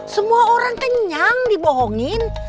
semua orang kenyang dibohongin